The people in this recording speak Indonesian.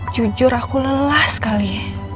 jujur aku lelah sekali